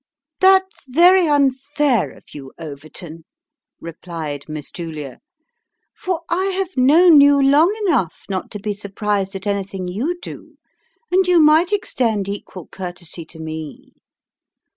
" That's very unfair of you, Overton," replied Miss Julia, " for I have known you, long enough, not to be surprised at anything you do, and you might extend equal courtesy to me."